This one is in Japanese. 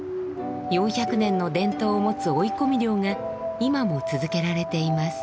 ４００年の伝統を持つ追い込み漁が今も続けられています。